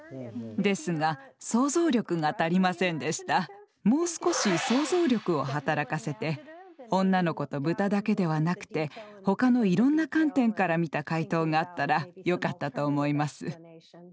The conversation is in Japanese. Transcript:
谷さんはもう少し想像力を働かせて女の子と豚だけではなくてほかのいろんな観点からみた解答があったらよかったと思います。